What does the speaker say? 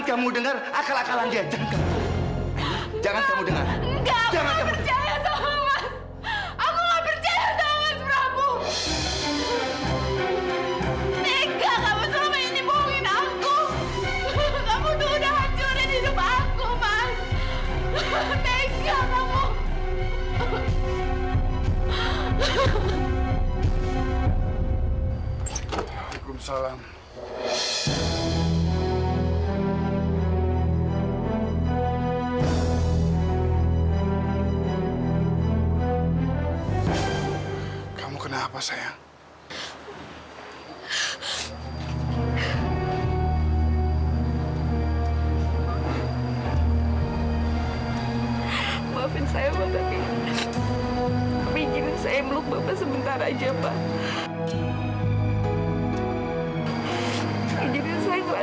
sampai jumpa di video selanjutnya